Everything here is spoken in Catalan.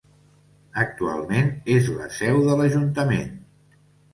Actualment és la seu de l'Ajuntament.